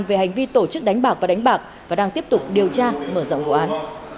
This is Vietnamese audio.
về hành vi tổ chức đánh bạc và đánh bạc và đang tiếp tục điều tra mở rộng vụ án